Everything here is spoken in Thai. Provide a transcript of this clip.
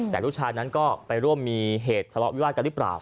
แต่ลูกชายนั้นก็ไปร่วมมีเหตุทะเลาะวิวาสกันหรือเปล่า